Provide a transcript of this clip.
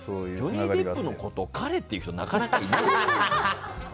ジョニー・デップのこと彼って言う人なかなかいないよ。